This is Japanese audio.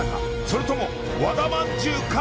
それとも和田まんじゅうか？